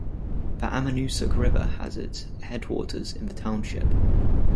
The Ammonoosuc River has its headwaters in the township.